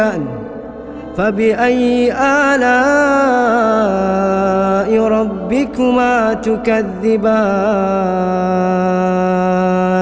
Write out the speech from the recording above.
semoga seperti withdrawnya render ini menyumbangkan kesempatan